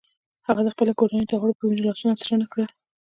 هغه د خپلې کورنۍ د غړو په وینو لاسونه سره نه کړل.